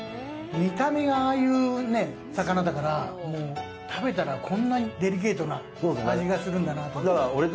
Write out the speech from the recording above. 見た目がああいうね、お魚だから、食べたらこんなにデリケートな味がするんだなと思って。